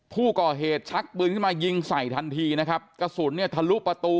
ผู้ก่อเหตุชักปืนขึ้นมายิงใส่ทันทีนะครับกระสุนเนี่ยทะลุประตู